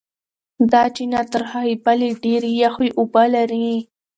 دا چینه تر هغې بلې ډېرې یخې اوبه لري.